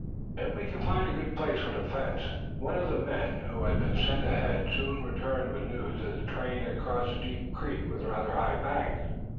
"If we can find a good place for defense." One of the men, Oldham, who had been sent ahead, soon returned with news that the train had crossed a deep creek with rather high banks.